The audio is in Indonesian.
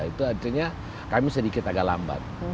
itu artinya kami sedikit agak lambat